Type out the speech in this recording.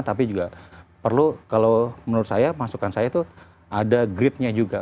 tapi juga perlu kalau menurut saya masukan saya itu ada gridnya juga